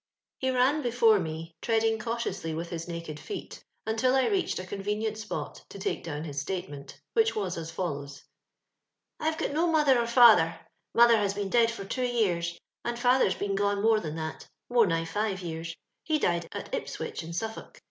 He ran before me, treading canlioiuily with his naked feet, until I reached a convenient spot to take down his statement, nideh wasis follows :—Tve got no mother or f)&ther ; mother bss been dead for two years, and fkthei^ been re more than that— more nigb five year»— died at Ipswich, in Suffolk.